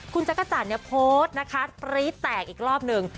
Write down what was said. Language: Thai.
คุณจักรจรโพสต์นะคะปรี๊ดแตกอีกรอบหนึ่ง